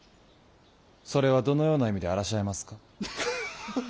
それはどのような意味であらしゃいますか。